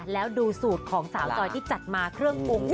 แล้วดูสูตรของสาวจอยที่จัดมาเครื่ององค์